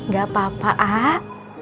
gak apa apa ah